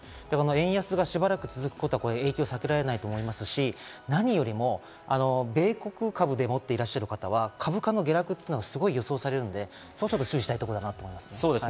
円安がしばらく続くことは影響が避けられたいと思いますし、何よりも米国株で持っていらっしゃる方は株価の下落が予想されるのでちょっと注意したいところだと思います。